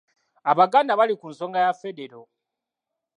Abaganda bali ku nsonga ya Federo.